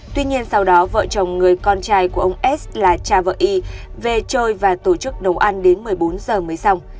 tuy nhiên sau đó vợ chồng người con trai của ông s là cha vợ y về chơi và tổ chức nấu ăn đến một mươi bốn giờ mới xong